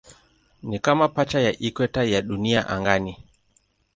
Ni kama pacha ya ikweta ya Dunia angani.